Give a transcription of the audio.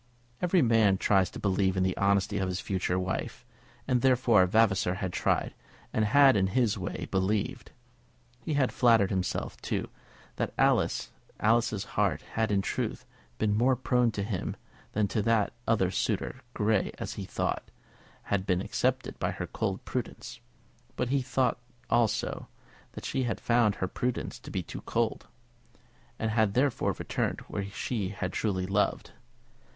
Every man tries to believe in the honesty of his future wife; and, therefore, Vavasor had tried, and had in his way, believed. He had flattered himself, too, that Alice's heart had, in truth, been more prone to him than to that other suitor. Grey, as he thought, had been accepted by her cold prudence; but he thought, also, that she had found her prudence to be too cold, and had therefore returned where she had truly loved.